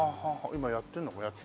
今やってるのか？